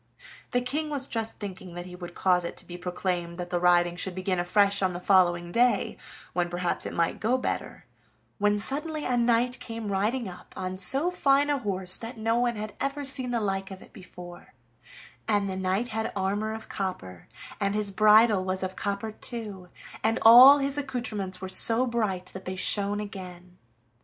The King was just thinking that he would cause it to be proclaimed that the riding should begin afresh on the following day, when perhaps it might go better, when suddenly a knight came riding up on so fine a horse that no one had ever seen the like of it before, and the knight had armor of copper, and his bridle was of copper too, and all his accoutrements were so bright that they shone again.